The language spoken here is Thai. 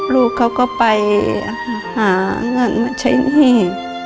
ลูกเขาก็ไปหาเงินมาใช้หนี้